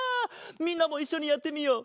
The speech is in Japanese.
みんなもいっしょにやってみよう。